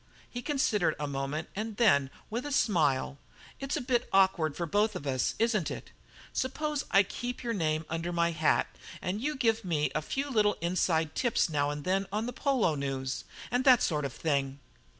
He considered a moment and then, with a smile: "It's a bit awkward for both of us, isn't it? Suppose I keep your name under my hat and you give me a few little inside tips now and then on polo news, and that sort of thing?"